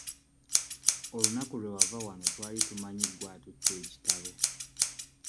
Olunaku lwe wava wano twali tumanyi gwe atutte ekitabo.